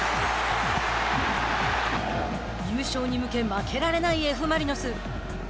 優勝に向け負けられないＦ・マリノス。